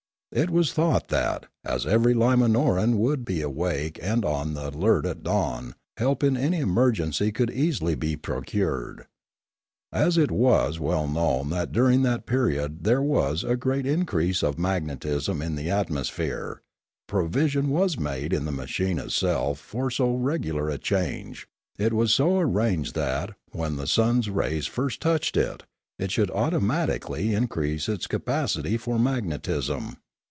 It was thought that, as every Limanoran would be awake and on the alert at dawn, help in any emergency could easily be procured. As it was well known that during that period there was a great increase of magnetism in the atmosphere, provision was made in the machine itself for so regular a change; it was so arranged that, when the sun's rays first touched it, it should automatically increase its capacity for magnetism.